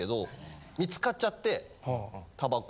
見つかっちゃってタバコ。